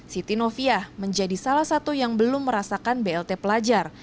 siti novia menjadi salah satu yang belum merasakan blt pelajar